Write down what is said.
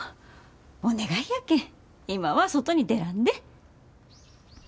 お願いやけん今は外に出らんで。